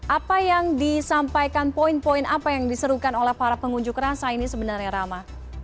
apa yang disampaikan poin poin apa yang diserukan oleh para pengunjuk rasa ini sebenarnya rama